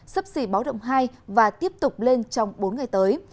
sấp xỉ báo động hai và tiếp tục lên trong bốn ngày tới